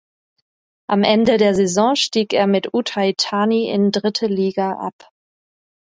Am Ende der Saison stieg er mit Uthai Thani in dritte Liga ab.